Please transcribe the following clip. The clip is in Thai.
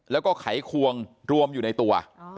แล้วก็ไขควงรวมอยู่ในตัว